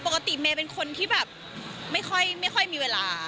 ปกติเมย์เป็นคนที่แบบไม่ค่อยมีเวลา